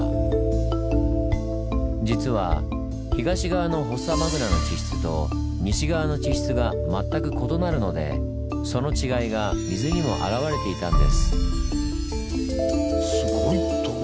実は東側のフォッサマグナの地質と西側の地質が全く異なるのでその違いが水にもあらわれていたんです。